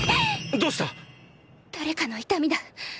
どうした⁉誰かの痛みだ。